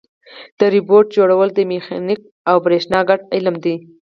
د روبوټ جوړول د میخانیک او برېښنا ګډ علم دی.